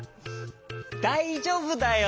だいじょうぶだよ！